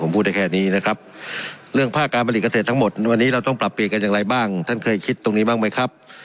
ปรับเปรียบยังไรบ้างท่านเคยคิดตรงนี้บ้างไหมครับ